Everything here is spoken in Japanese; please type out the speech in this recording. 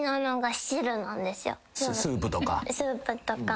スープとか？